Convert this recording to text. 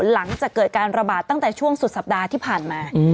หลังจากเกิดการระบาดตั้งแต่ช่วงสุดสัปดาห์ที่ผ่านมา